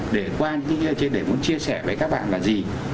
để muốn chia sẻ với các bạn là gì